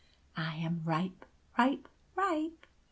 I am ripe ripe ripe!"